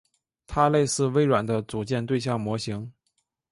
它类似微软的组件对象模型。